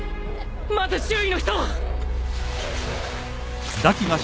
まず周囲の人を！